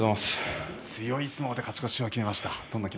強い相撲で勝ち越しを決めました。